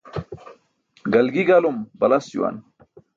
Galgi galum balas juwan.